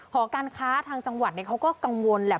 หอการค้าทางจังหวัดเขาก็กังวลแหละ